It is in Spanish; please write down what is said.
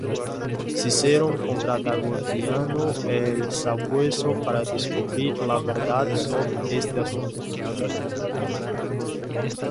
Cicerón contrata a Gordiano el Sabueso para descubrir la verdad sobre este asunto.